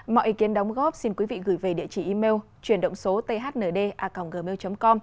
mọi ý kiến đóng góp xin quý vị gửi về địa chỉ email chuyển động số thnda gmail com